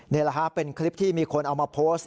นี่แหละฮะเป็นคลิปที่มีคนเอามาโพสต์